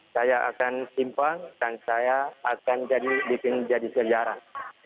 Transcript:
saya akan simpan dan saya akan bikin jadi sejarah